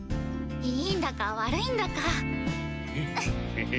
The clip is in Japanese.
いいんだか悪いんだか。へへっ。